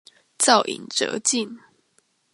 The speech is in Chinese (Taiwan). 造飲輒盡